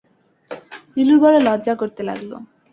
নীলুর বড় লজ্জা করতে লাগল।